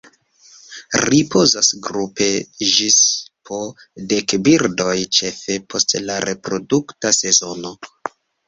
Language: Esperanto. Ripozas grupe ĝis po dek birdoj ĉefe post la reprodukta sezono.